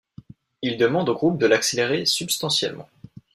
Il demande au groupe de l'accélérer substantiellement.